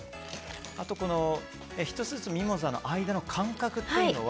１つずつミモザの間の間隔っていうのは。